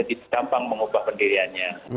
itu gampang mengubah pendiriannya